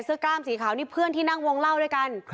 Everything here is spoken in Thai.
กล้ามสีขาวนี่เพื่อนที่นั่งวงเล่าด้วยกัน